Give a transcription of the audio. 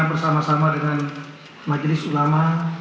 bersama sama dengan majelis ulama